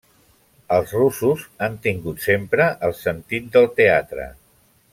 Els russos han tingut sempre el sentit del teatre.